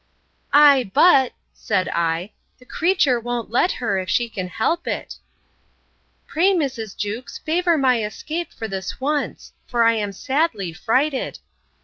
Ay, but, said I, the creature won't let her, if she can help it. Pray, Mrs. Jewkes, favour my escape, for this once; for I am sadly frighted.